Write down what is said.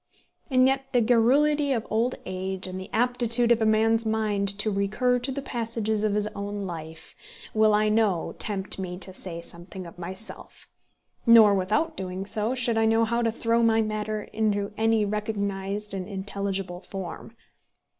And yet the garrulity of old age, and the aptitude of a man's mind to recur to the passages of his own life, will, I know, tempt me to say something of myself; nor, without doing so, should I know how to throw my matter into any recognised and intelligible form.